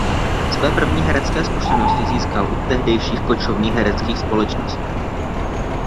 Své první herecké zkušenosti získal u tehdejších kočovných hereckých společností.